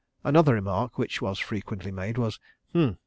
Another remark which was frequently made was "Hm!